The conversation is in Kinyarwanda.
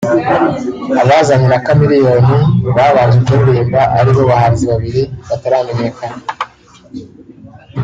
Abazanye na Chemeleone babanje kuririmba aribo bahanzi babiri bataramenyekana